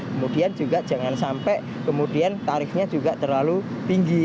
kemudian juga jangan sampai kemudian tarifnya juga terlalu tinggi